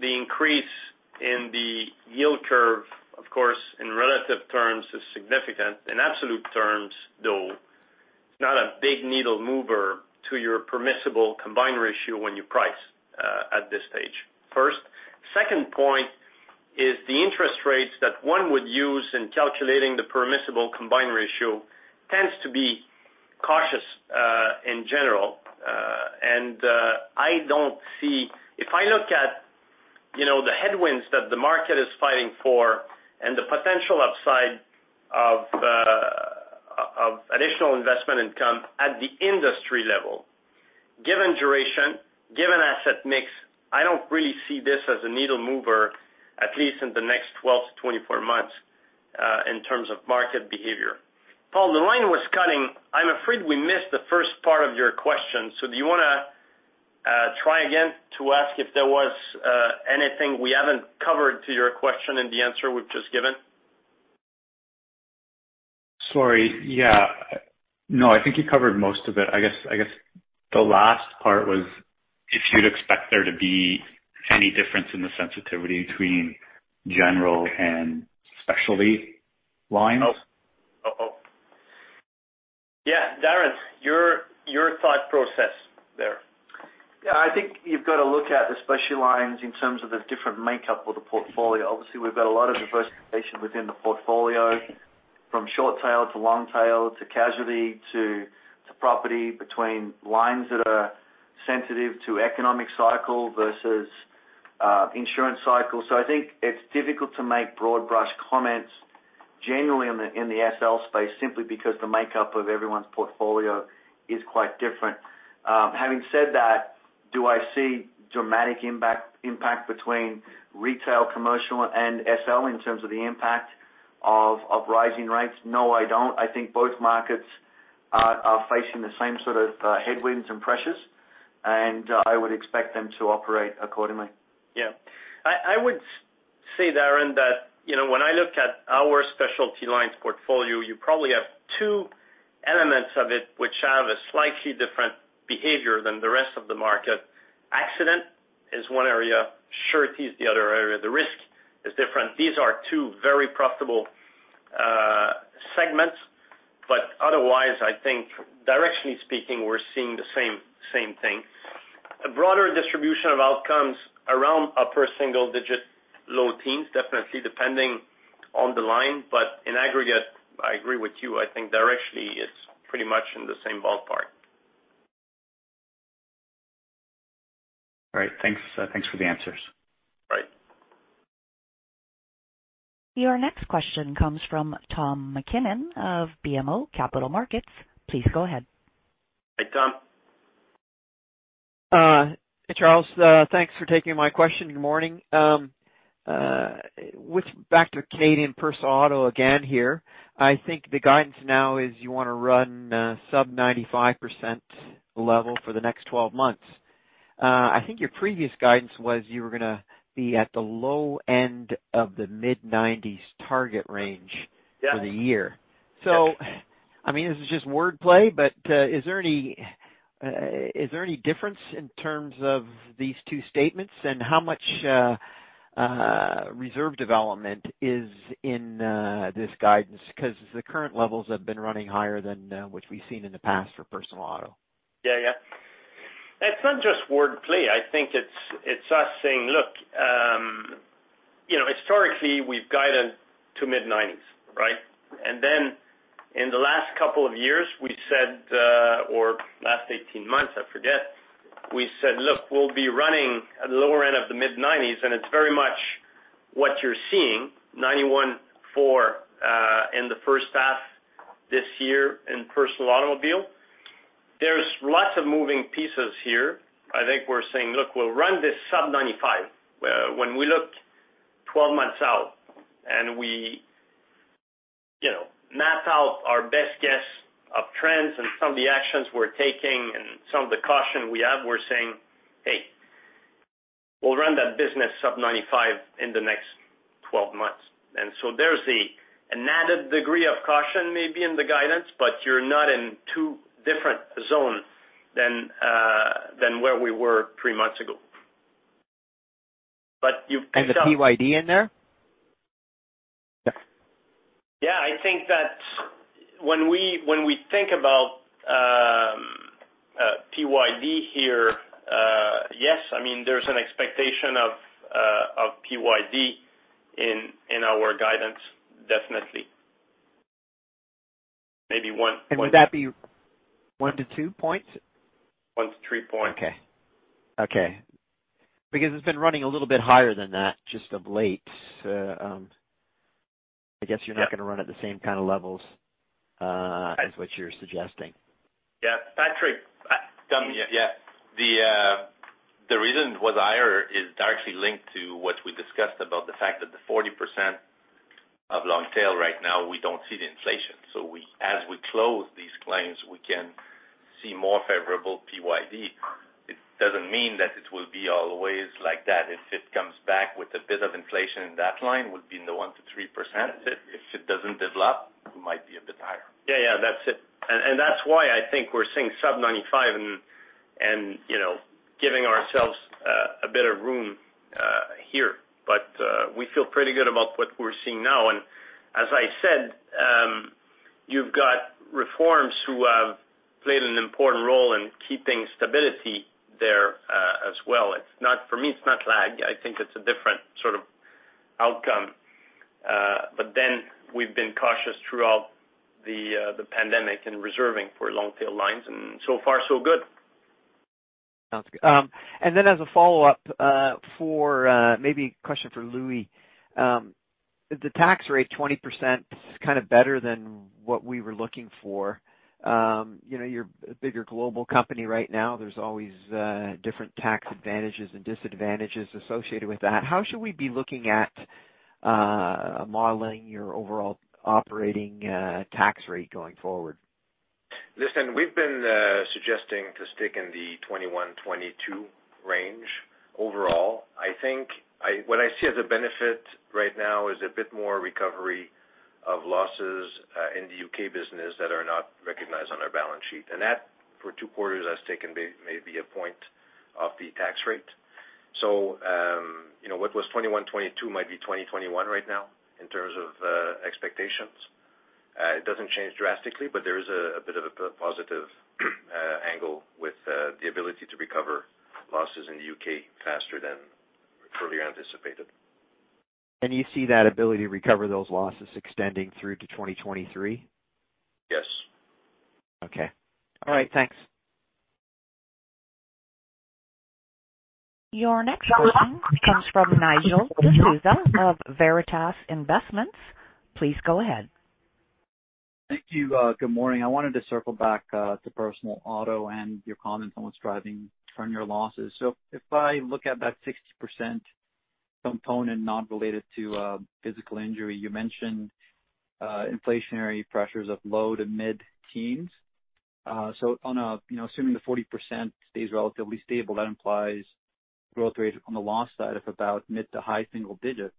increase in the yield curve, of course, in relative terms is significant. In absolute terms, though, it's not a big needle mover to your permissible combined ratio when you price at this stage. First. Second point is the interest rates that one would use in calculating the permissible combined ratio tends to be cautious in general. I don't see. If I look at, you know, the headwinds that the market is fighting for and the potential upside of additional investment income at the industry level, given duration, given asset mix, I don't really see this as a needle mover, at least in the next 12-24 months in terms of market behavior. Paul, the line was cutting. I'm afraid we missed the first part of your question, so do you wanna try again to ask if there was anything we haven't covered to your question in the answer we've just given? Sorry. Yeah. No, I think you covered most of it. I guess the last part was if you'd expect there to be any difference in the sensitivity between general and specialty lines. Yeah. Darren, your thought process there. Yeah. I think you've got to look at the specialty lines in terms of the different makeup of the portfolio. Obviously, we've got a lot of diversification within the portfolio, from short tail to long tail to casualty to property between lines that are sensitive to economic cycle versus insurance cycle. I think it's difficult to make broad brush comments generally in the SL space simply because the makeup of everyone's portfolio is quite different. Having said that, do I see dramatic impact between retail, commercial, and SL in terms of the impact of rising rates? No, I don't. I think both markets are facing the same sort of headwinds and pressures, and I would expect them to operate accordingly. Yeah. I would say, Darren, that, you know, when I look at our specialty lines portfolio, you probably have two elements of it which have a slightly different behavior than the rest of the market. Accident is one area, surety is the other area. The risk is different. These are two very profitable segments. But otherwise, I think directionally speaking, we're seeing the same thing. A broader distribution of outcomes around upper single-digit, low teens%, definitely depending on the line. But in aggregate, I agree with you. I think directionally it's pretty much in the same ballpark. All right. Thanks for the answers. Bye. Your next question comes from Tom MacKinnon of BMO Capital Markets. Please go ahead. Hi, Tom. Charles, thanks for taking my question. Good morning. Getting back to Canadian personal auto again here. I think the guidance now is you wanna run sub-95% level for the next 12 months. I think your previous guidance was you were gonna be at the low end of the mid-90s target range. Yeah. -for the year. I mean, this is just wordplay, but, is there any difference in terms of these two statements, and how much reserve development is in this guidance? 'Cause the current levels have been running higher than which we've seen in the past for personal auto. Yeah. Yeah. It's not just wordplay. I think it's us saying, look, you know, historically, we've guided to mid-nineties, right? In the last couple of years we said, or last eighteen months, I forget, we said, "Look, we'll be running at the lower end of the mid-nineties," and it's very much what you're seeing, 91.4%, in the first half this year in personal automobile. There's lots of moving pieces here. I think we're saying, "Look, we'll run this sub-95." When we look 12 months out and we, you know, map out our best guess of trends and some of the actions we're taking and some of the caution we have, we're saying, "Hey, we'll run that business sub-95 in the next 12 months." There's an added degree of caution maybe in the guidance, but you're not in two different zones than where we were 3 months ago. You've The PYD in there? Yeah, I think that when we think about PYD here, yes, I mean, there's an expectation of PYD in our guidance, definitely. Maybe 1 point. Would that be 1-2 points? 1-3 points. Okay. Because it's been running a little bit higher than that just of late, so, I guess you're not gonna run at the same kind of levels, as what you're suggesting. Yeah. Patrick, Yeah. The reason it was higher is directly linked to what we discussed about the fact that the 40% of long tail right now, we don't see the inflation. So as we close these claims, we can see more favorable PYD. It doesn't mean that it will be always like that. If it comes back with a bit of inflation in that line, would be in the 1%-3%. If it doesn't develop, it might be a bit higher. Yeah, that's it. That's why I think we're seeing sub-95% and, you know, giving ourselves a bit of room here. We feel pretty good about what we're seeing now. As I said, you've got reforms who have played an important role in keeping stability there as well. It's not for me. It's not lag. I think it's a different sort of outcome. We've been cautious throughout the pandemic in reserving for long tail lines, and so far so good. Sounds good. As a follow-up, maybe a question for Louis. The tax rate 20% is kind of better than what we were looking for. You know, you're a bigger global company right now. There's always different tax advantages and disadvantages associated with that. How should we be looking at modeling your overall operating tax rate going forward? Listen, we've been suggesting to stick in the 21%-22% range overall. I think what I see as a benefit right now is a bit more recovery of losses in the U.K. business that are not recognized on our balance sheet. That, for two quarters, has taken maybe a point off the tax rate. You know, what was 21%-22% might be 20%-21% right now in terms of expectations. It doesn't change drastically, but there is a bit of a positive angle with the ability to recover losses in the U.K. faster than earlier anticipated. You see that ability to recover those losses extending through to 2023? Yes. Okay. All right. Thanks. Your next question comes from Nigel D'Souza of Veritas Investment Research. Please go ahead. Thank you. Good morning. I wanted to circle back to personal auto and your comments on what's driving current-year losses. If I look at that 60% component not related to physical injury, you mentioned inflationary pressures of low-to-mid-teens%. On a, you know, assuming the 40% stays relatively stable, that implies growth rate on the loss side of about mid-to-high single digits%.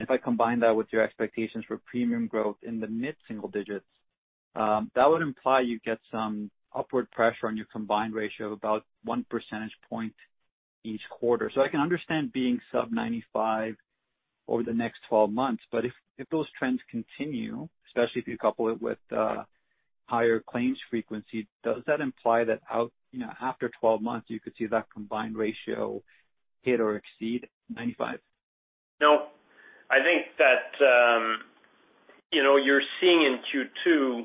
If I combine that with your expectations for premium growth in the mid-single digits%, that would imply you get some upward pressure on your combined ratio of about 1 percentage point each quarter. I can understand being sub-95 over the next 12 months. If those trends continue, especially if you couple it with higher claims frequency, does that imply that, you know, after 12 months you could see that combined ratio hit or exceed 95? No, I think that, you know, you're seeing in Q2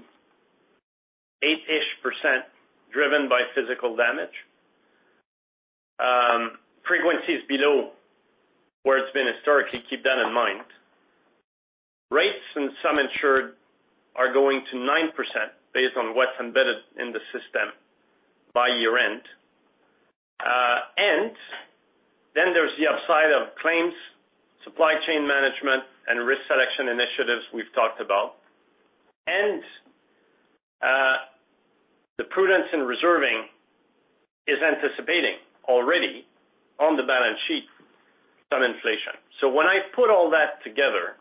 8-ish% driven by physical damage. Frequencies below where it's been historically, keep that in mind. Rates in some insured are going to 9% based on what's embedded in the system by year-end. Then there's the upside of claims, supply chain management, and risk selection initiatives we've talked about. The prudence in reserving is anticipating already on the balance sheet some inflation. When I put all that together,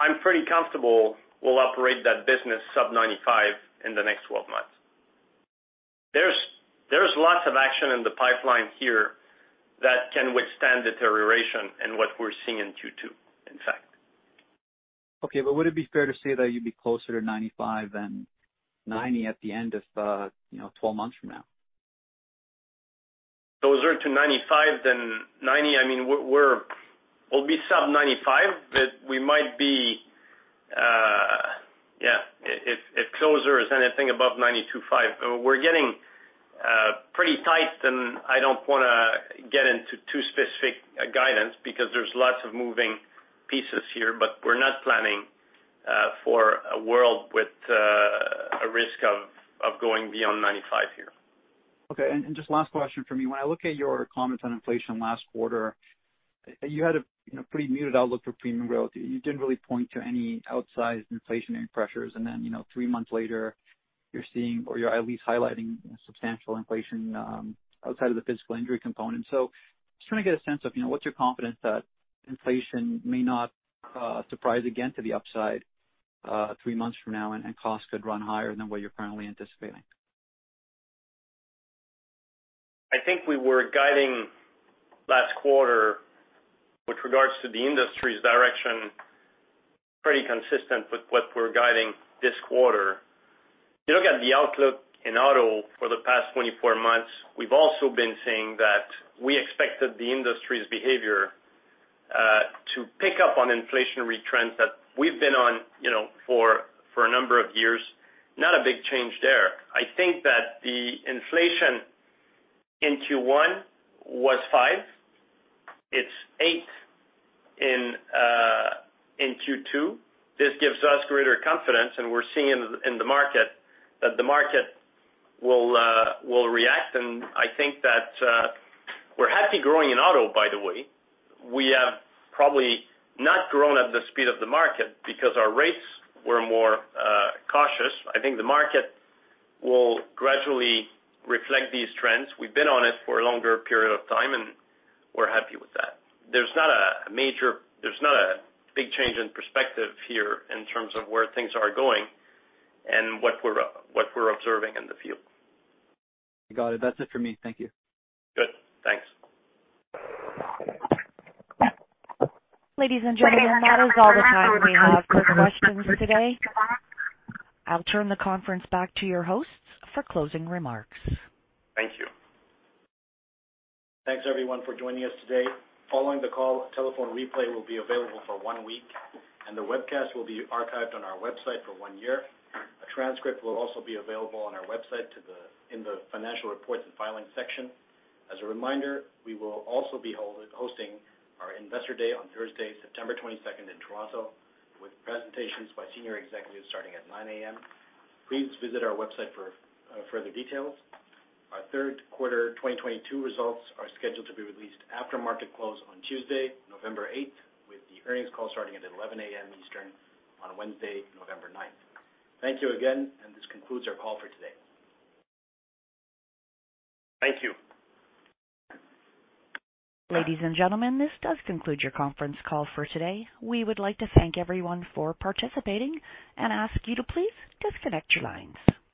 I'm pretty comfortable we'll operate that business sub-95 in the next 12 months. There's lots of action in the pipeline here that can withstand deterioration in what we're seeing in Q2, in fact. Okay, would it be fair to say that you'd be closer to 95 than 90 at the end of, you know, 12 months from now? Closer to 95% than 90%. I mean, we'll be sub 95%, but we might be, yeah, if closer is anything above 92.5%. We're getting pretty tight, and I don't wanna get into too specific guidance because there's lots of moving pieces here, but we're not planning for a world with a risk of going beyond 95% here. Okay. Just last question for me. When I look at your comments on inflation last quarter, you had a you know pretty muted outlook for premium growth. You didn't really point to any outsized inflationary pressures. You know three months later, you're seeing or you're at least highlighting substantial inflation outside of the physical injury component. Just trying to get a sense of you know what's your confidence that inflation may not surprise again to the upside three months from now, and costs could run higher than what you're currently anticipating. I think we were guiding last quarter with regards to the industry's direction, pretty consistent with what we're guiding this quarter. If you look at the outlook in auto for the past 24 months, we've also been saying that we expected the industry's behavior to pick up on inflationary trends that we've been on, you know, for a number of years. Not a big change there. I think that the inflation in Q1 was 5%. It's 8% in Q2. This gives us greater confidence, and we're seeing in the market that the market will react. I think that we're happy growing in auto by the way. We have probably not grown at the speed of the market because our rates were more cautious. I think the market will gradually reflect these trends. We've been on it for a longer period of time, and we're happy with that. There's not a big change in perspective here in terms of where things are going and what we're observing in the field. Got it. That's it for me. Thank you. Good. Thanks. Ladies and gentlemen, that is all the time we have for questions today. I'll turn the conference back to your hosts for closing remarks. Thank you. Thanks, everyone for joining us today. Following the call, a telephone replay will be available for one week, and the webcast will be archived on our website for one year. A transcript will also be available on our website in the financial reports and filings section. As a reminder, we will also be hosting our investor day on Thursday, September 22nd in Toronto, with presentations by senior executives starting at 9:00 A.M. Please visit our website for further details. Our third quarter 2022 results are scheduled to be released after market close on Tuesday, November 8th, with the earnings call starting at 11:00 A.M. Eastern on Wednesday, November 9th. Thank you again, and this concludes our call for today. Thank you. Ladies and gentlemen, this does conclude your conference call for today. We would like to thank everyone for participating and ask you to please disconnect your lines.